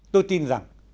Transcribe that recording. tôi tin rằng